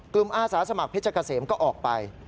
กลุ่มอาสาสมัครเพชรกะเสมก็ออกไป